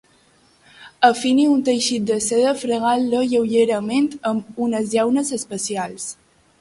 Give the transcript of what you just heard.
Afini un teixit de seda fregant-lo lleugerament amb unes llaunes especials.